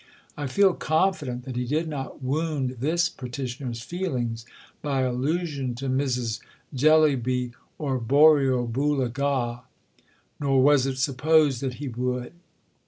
I feel confident that he did not wound this petitioner's feelings by allusion to Mrs. Jellyby or Borrioboola Gha. Nor was it supposed that he would.